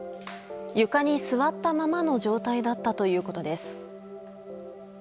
床に座ったままの状態だったということです。